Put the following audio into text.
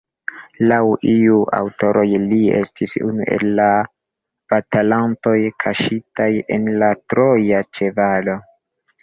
Laŭ iuj aŭtoroj, li estis unu el la batalantoj kaŝitaj en la troja ĉevalo.